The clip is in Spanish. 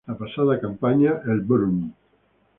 La pasada campaña, el Bm.